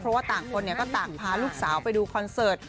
เพราะว่าต่างคนก็ต่างพาลูกสาวไปดูคอนเสิร์ต